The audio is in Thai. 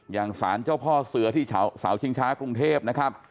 อย่างสารเจ้าพ่อเสือที่เสาชิงช้ากรุงเทพนะครับ